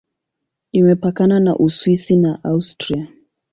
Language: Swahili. Imepakana na Uswisi na Austria.